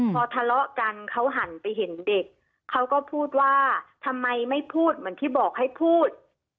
พอทะเลาะกันเขาหันไปเห็นเด็กเขาก็พูดว่าทำไมไม่พูดเหมือนที่บอกให้พูด